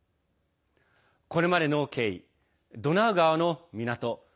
これまでの経緯、ドナウ川の港